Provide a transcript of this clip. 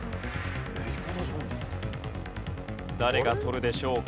誰が取るでしょうか？